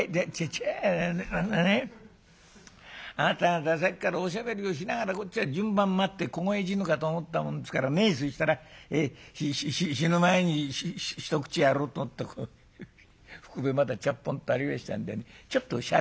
「あなた方さっきからおしゃべりをしながらこっちは順番待って凍え死ぬかと思ったもんですからねそしたら死ぬ前に一口やろうと思ったらふくべまだちゃっぽんとありましたんでねちょっとしゃれ」。